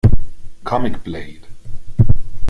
Comic Blade